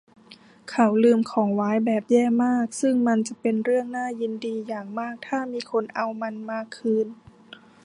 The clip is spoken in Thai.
เขาลืมของไว้แบบแย่มากซึ่งจะเป็นเรื่องน่ายินดีอย่างมากถ้ามีคนเอามันมาคืน